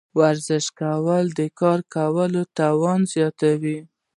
ورزش کول د کار کولو توان زیاتوي.